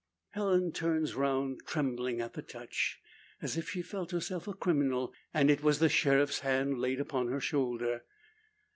Helen turns round trembling at the touch, as if she felt herself a criminal, and it was the sheriff's hand laid upon her shoulder!